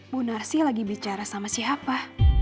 bunarsi lagi bicara sama siapa